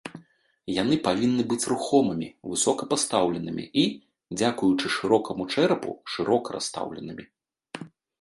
Яны павінны быць рухомымі, высока пастаўленымі і, дзякуючы шырокаму чэрапу, шырока расстаўленымі.